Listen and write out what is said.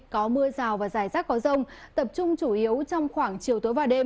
có mưa rào và rải rác có rông tập trung chủ yếu trong khoảng chiều tối và đêm